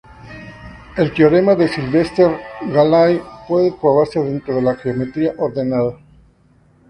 El teorema de Sylvester-Gallai puede probarse dentro de la geometría ordenada.